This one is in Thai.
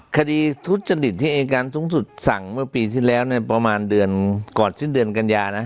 ทุจริตที่อายการสูงสุดสั่งเมื่อปีที่แล้วเนี่ยประมาณเดือนก่อนสิ้นเดือนกันยานะ